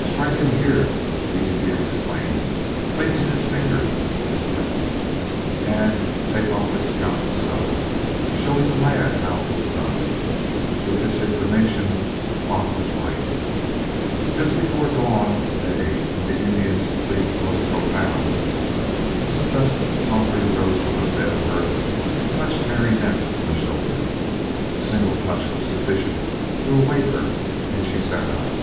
"Strike him here," the Indian explained, placing his finger on his temple, "and take off his scalp so," showing the lad how it was done. With this information, the plot was ripe. Just before dawn of day, when the Indians sleep most profound, Mrs. Dustin softly rose from her bed of earth and touched Mary Neff on the shoulder. A single touch was sufficient to awake her, and she sat up.